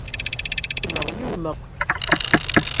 Urmeɣ yiwet.